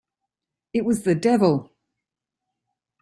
It was the devil!